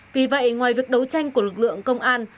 vì vậy ngoài việc đấu tranh của lực lượng công an